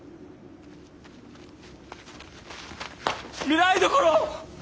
御台所！